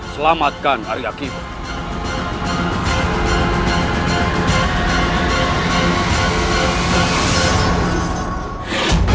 selamatkan arya kiban